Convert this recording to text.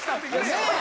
ねえ。